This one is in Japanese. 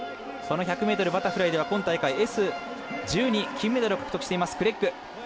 １００ｍバタフライでは今大会、Ｓ１２、金メダルを獲得していますクレッグ。